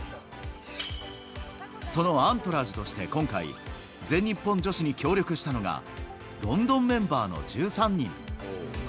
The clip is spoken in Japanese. そのアントラージュとして今回、全日本女子に協力したのが、ロンドンメンバーの１３人。